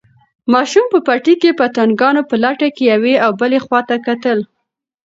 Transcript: ماشوم په پټي کې د پتنګانو په لټه کې یوې او بلې خواته کتل.